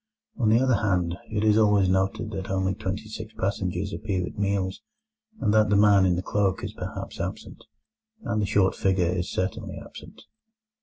On the other hand, it is always noted that only twenty six passengers appear at meals, and that the man in the cloak is perhaps absent, and the short figure is certainly absent.